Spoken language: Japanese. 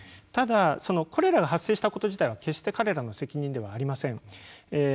ただコレラが発生したこと自体は決して彼らの責任ではありません。